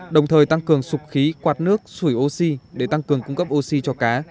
đồng thời tăng cường sụp khí quạt nước sủi oxy để tăng cường cung cấp oxy cho cá